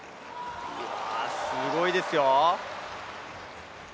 うわ、すごいですよ。